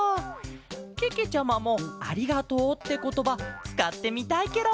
けけちゃまも「ありがとう」ってことばつかってみたいケロ。